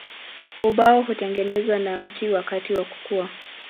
Ubao hutengenezwa na mti wakati wa kukua.